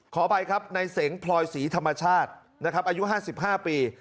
ขออภัยครับในเสงพลอยศรีธรรมชาตินะครับอายุ๕๕ปี